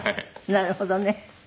なるほどね。